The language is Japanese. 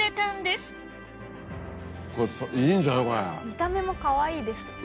見た目もかわいいです。